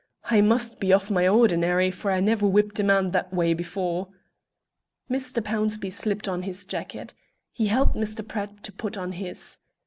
"I must be off my ordinary, for I never whipped a man that way before." Mr. Pownceby slipped on his jacket. He helped Mr. Pratt to put on his.